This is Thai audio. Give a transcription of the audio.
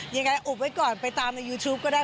ยังไงอบไว้ก่อนไปตามในยูทูปก็ได้